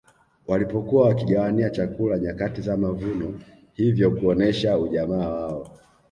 Walipokuwa wakigawania chakula nyakati za mavuno hivyo kuonesha ujamaa wao